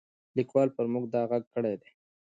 لیکوال پر موږ دا غږ کړی دی.